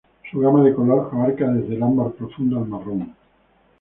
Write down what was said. Su gama de color abarca desde el ámbar profundo al marrón.